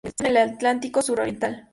Se encuentra en el Atlántico suroriental.